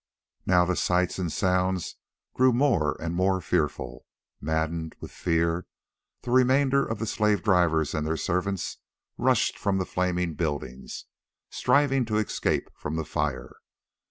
Now the sights and sounds grew more and more fearful. Maddened with fear, the remainder of the slave drivers and their servants rushed from the flaming buildings, striving to escape from the fire.